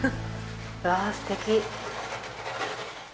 うわあ、すてき。